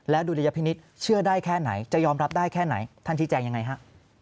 ดุลยพินิษฐ์เชื่อได้แค่ไหนจะยอมรับได้แค่ไหนท่านชี้แจงยังไงฮะ